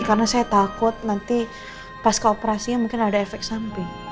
karena saya takut nanti pas ke operasinya mungkin ada efek samping